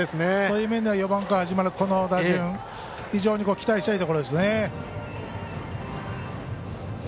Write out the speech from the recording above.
そういう面では４番から始まる打順非常に期待したいところですね。